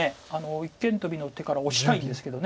一間トビの手からオシたいんですけど。